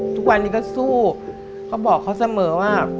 ทุกวันนี้ก็สู้เขาบอกเขาเสมอว่า